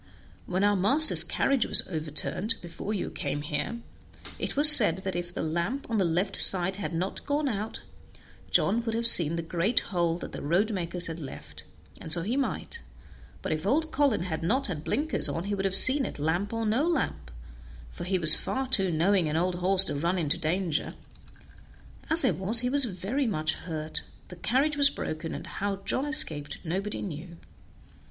When our master's carriage was overturned, before you came here, it was said that if the lamp on the left side had not gone out, John would have seen the great hole that the road makers had left; and so he might, but if old Colin had not had blinkers on he would have seen it, lamp or no lamp, for he was far too knowing an old horse to run into danger. As it was, he was very much hurt, the carriage was broken, and how John escaped nobody knew."